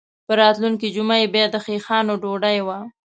په راتلونکې جمعه یې بیا د خیښانو ډوډۍ وه.